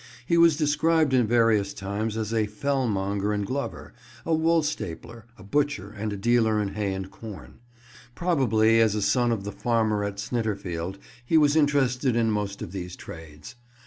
He was described at various times as a fell monger and glover, a woolstapler, a butcher and a dealer in hay and corn. Probably, as a son of the farmer at Snitterfield, he was interested in most of these trades.